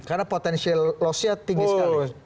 karena potensial loss nya tinggi sekali